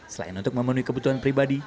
selain untuk memenuhi kebutuhan pribadi